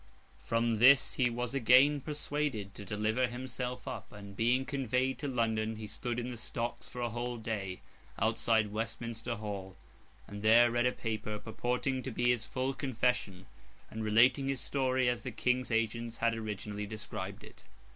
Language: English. From this he was again persuaded to deliver himself up; and, being conveyed to London, he stood in the stocks for a whole day, outside Westminster Hall, and there read a paper purporting to be his full confession, and relating his history as the King's agents had originally described it.